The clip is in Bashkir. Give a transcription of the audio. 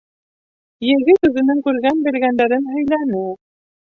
Егет үҙенең күргән-белгәндәрен һөйләне: